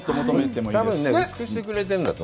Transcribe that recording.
たぶん薄くしてくれてるんだと。